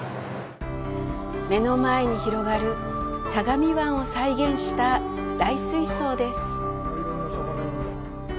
目の前に広がる相模湾を再現した大水槽です。